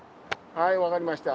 はいわかりました。